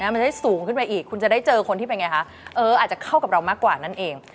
มันจะสูงขึ้นไปอีกคุณจะได้เจอคนที่เป็นไงคะอาจจะเข้ากับเรามากกว่านั่นเอง